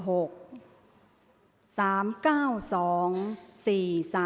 ออกรางวัลที่๖